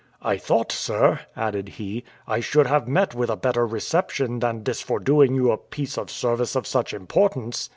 I thought, sir," added he, "I should have met with a better reception than this for doing you a piece of service of such importance."